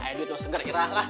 ayo duit mau seger ira lah